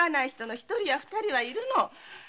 一人や二人はいるの。